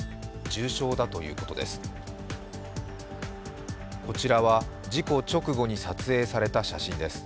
重傷だということです。